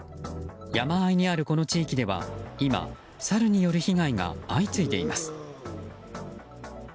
山あいにある、この地域では今サルによる被害が相次いでいます。